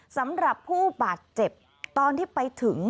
สำหรับผู้บาดเจ็บตอนที่ไปถึง